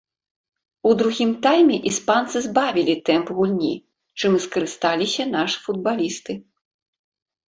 У другім тайме іспанцы збавілі тэмп гульні, чым і скарысталіся нашы футбалісты.